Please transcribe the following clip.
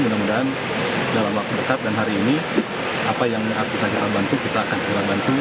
mudah mudahan dalam waktu dekat dan hari ini apa yang bisa kita bantu kita akan segera bantu